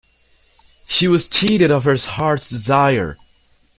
She was cheated of her heart's desire.